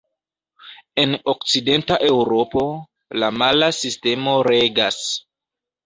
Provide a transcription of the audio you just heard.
En okcidenta Eŭropo, la mala sistemo regas.